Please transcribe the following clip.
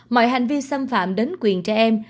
mọi hành vi xâm phạm đến quyền trẻ em